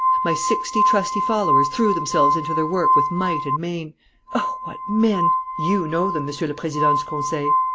"My sixty trusty followers threw themselves into their work with might and main. Oh, what men! You know them, Monsieur le Président du Conseil!